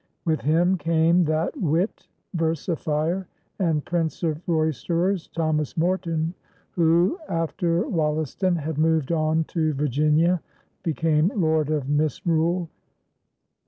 With him came that wit, versifier, and prince of roysterers, Thomas Morton, who, after Wollaston had moved on to Virginia, became "lord of misrule."